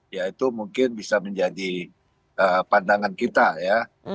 ya itu mungkin bisa menjadi pandangan kita ya